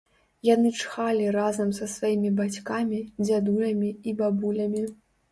Яны чхалі разам са сваімі бацькамі, дзядулямі і бабулямі.